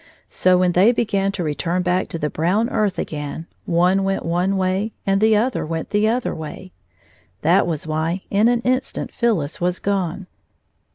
So, when they began to return back to the brown earth again, one went one way and the other went the other way. That was why in an instant Phyllis was gone.